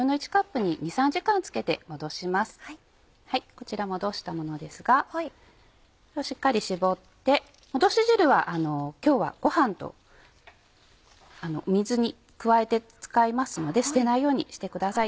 こちら戻したものですがしっかり絞って戻し汁は今日はご飯と水に加えて使いますので捨てないようにしてください。